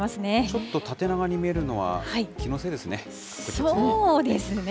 ちょっと縦長に見えるのは、そうですね。